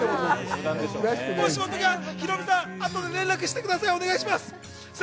ヒロミさん、あとで連絡してください、お願いします。